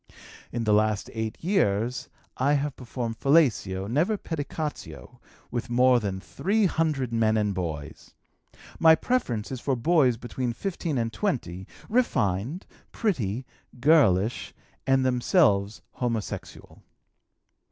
"In the last eight years I have performed fellatio (never pedicatio) with more than three hundred men and boys. My preference is for boys between 15 and 20, refined, pretty, girlish, and themselves homosexual.